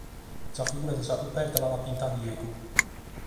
Sa figura de sa coberta l’at pintada Diegu.